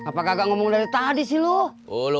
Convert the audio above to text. apakah gak ngomong dari tadi sih loh